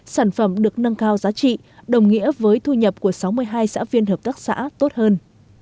sản phẩm được nâng cao giá trị đồng nghĩa với thu nhập của sáu mươi hai xã viên hợp tác xã tốt hơn